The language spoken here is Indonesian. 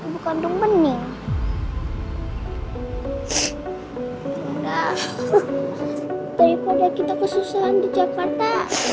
bunda daripada kita kesusahan di jakarta